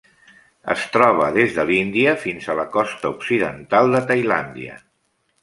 Es troba des de l'Índia fins a la costa occidental de Tailàndia.